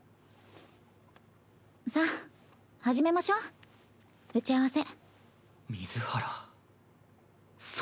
さあ始めましょ打ち合わせ。